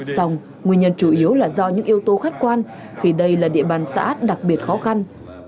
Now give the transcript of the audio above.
xong nguyên nhân chủ yếu là do những yếu tố khách quan khi đây là địa bàn xã đặc biệt khó khăn